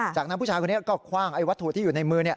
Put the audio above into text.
จากนั้นผู้ชายคนนี้ก็คว่างไอ้วัตถุที่อยู่ในมือ